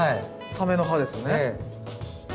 サメの歯ですね。